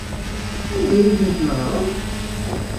Anda ay ten-tnehṛeḍ?